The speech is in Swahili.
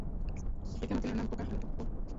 kupitia matone yanayomtoka anapokohoa